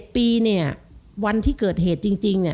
๗ปีวันที่เกิดเหตุจริง